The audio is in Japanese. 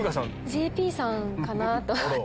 ＪＰさんかなと思ってて。